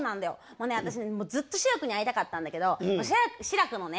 もうね私ねずっと志らくに会いたかったんだけど志らくのね